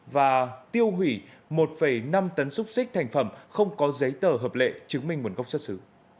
và tiêu hủy một năm tấn xúc xích thành phẩm không có giấy tờ hợp lệ chứng minh nguồn gốc xuất xứ